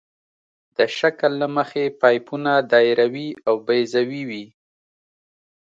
د شکل له مخې پایپونه دایروي او بیضوي وي